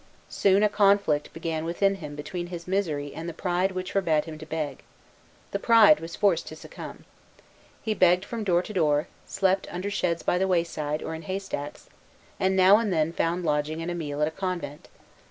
Soon a conflict began within him between his misery and the pride which forbade him to beg. The pride was forced to succumb. He begged from door to door; slept under sheds by the wayside, or in haystacks; and now and then found lodging and a meal at a convent.